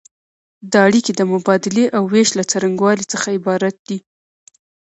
دا اړیکې د مبادلې او ویش له څرنګوالي څخه عبارت دي.